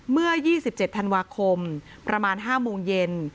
เมื่อ๒๗ธันวาคมประมาณ๕โมงเย็น